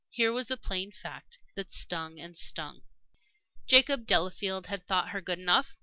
Here was the plain fact that stung and stung. Jacob Delafield had thought her good enough!